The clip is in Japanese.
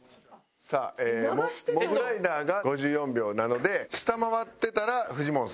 さあモグライダーが５４秒なので下回ってたらフジモンさん。